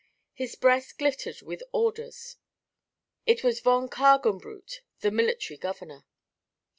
His breast glittered with orders. It was von Kargenbrut, the military governor.